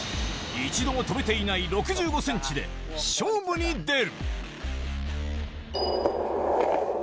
一度も跳べていない６５センチで、勝負に出る。